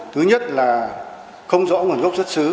thứ nhất là không rõ nguồn gốc xuất xứ